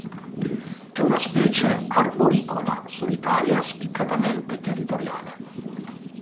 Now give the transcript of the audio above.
È una specie arboricola, solitaria, spiccatamente territoriale.